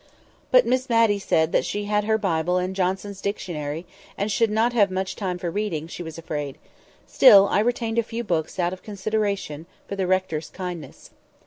But Miss Matty said that she had her Bible and "Johnson's Dictionary," and should not have much time for reading, she was afraid; still, I retained a few books out of consideration for the rector's kindness.